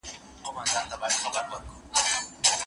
که په کار بوخت اوسئ نو بریالي کېږئ.